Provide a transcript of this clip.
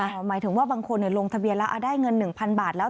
หมายถึงว่าบางคนลงทะเบียนแล้วได้เงิน๑๐๐๐บาทแล้ว